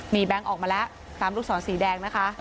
มีแบงค์ออกมาแล้วตามลูกศรสีแดงนะคะ